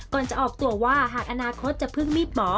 ก่อนจะออกตัวว่าหากอนาคตจะพึ่งมีดหมอ